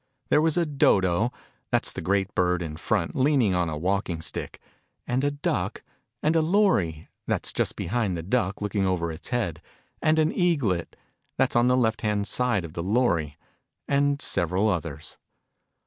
There was a Dodo ( that's the great bird, in front, leaning on a walking stick ); and a Duck ; and a Lory ( that's just behind the Duck, looking over its head ); and an Eaglet ( that's on the left hand side of the Lory ); and several others.